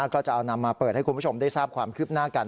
ก็จะเอานำมาเปิดให้คุณผู้ชมได้ทราบความคืบหน้ากัน